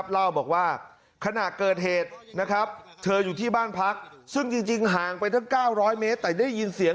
เล่าบอกว่าขณะเกิดเหตุเธออยู่ที่บ้านพักซึ่งจริงห่างไปเยอะ๙๐๐เมตร